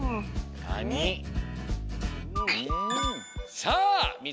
さあみつ